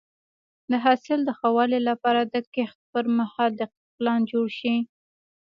د حاصل د ښه والي لپاره د کښت پر مهال دقیق پلان جوړ شي.